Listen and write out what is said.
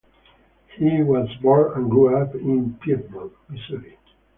He was born and grew up in Piedmont, Missouri.